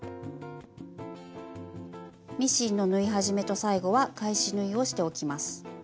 ミシンの縫い始めと最後は返し縫いをしておきます。